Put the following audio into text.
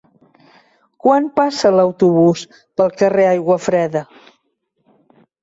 Quan passa l'autobús pel carrer Aiguafreda?